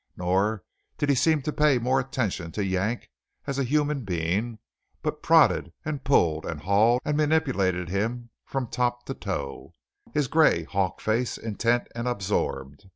Nor did he seem to pay more attention to Yank as a human being, but prodded and pulled and hauled and manipulated him from top to toe, his gray, hawk face intent and absorbed.